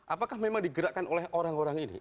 apakah memang digerakkan oleh orang orang ini